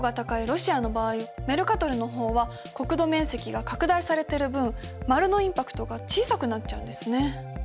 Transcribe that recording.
ロシアの場合メルカトルの方は国土面積が拡大されてる分丸のインパクトが小さくなっちゃうんですね。